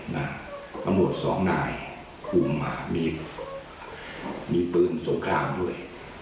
ตำรวจสองนายคุมมามีปืนสงครามด้วย